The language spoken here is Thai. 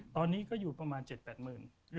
ตอนนี้ก็อยู่ประมาณ๗๘หมื่น